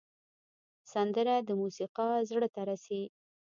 سندره د موسیقار زړه ته رسي